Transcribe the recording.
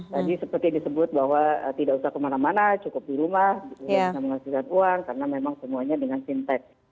jadi seperti disebut bahwa tidak usah kemana mana cukup di rumah tidak usah menghasilkan uang karena memang semuanya dengan fintech